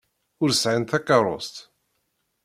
Ur sɛint takeṛṛust.